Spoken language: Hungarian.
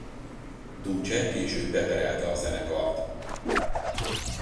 Duce később beperelte a zenekart.